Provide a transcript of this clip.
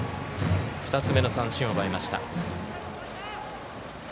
２つ目の三振を奪いました。